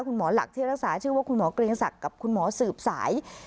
คุณหมอหลักที่รักษาชื่อว่าคุณหมอเกรียงศักดิ์กับคุณหมอสืบสาย